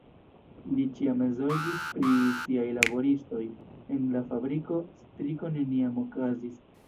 Li ĉiam zorgis pri siaj laboristoj, en la fabriko striko neniam okazis.